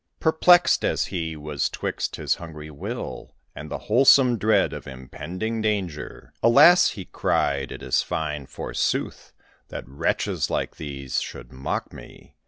Perplex'd as he was 'twixt his hungry will And the wholesome dread of impending danger, "Alas!" he cried, "it is fine, forsooth, That wretches like these should mock me.